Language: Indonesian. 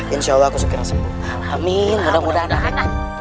insyaallah aku sekiranya amin mudah mudahan